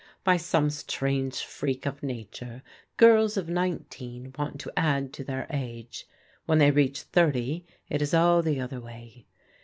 By some strange freak of na ture, girls of nineteen want to add to their age. When they reach thirty, it is all the other way.